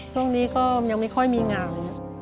ช่วงนี้ก็ยังไม่ค่อยมีงาน